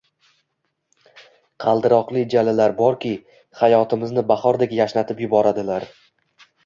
qaldiroqli “jala”lar borki, hayotimizni bahordek yashnatib yuboradilar!